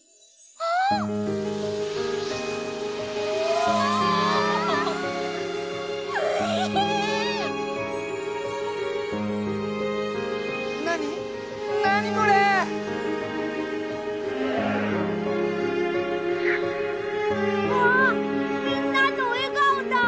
あっみんなのえがおだ！